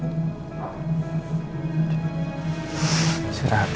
masih rahat ya